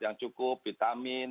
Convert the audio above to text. yang cukup vitamin